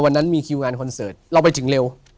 วันนั้นมีคิวงานคอนเสิร์ตเราไปถึงเร็ว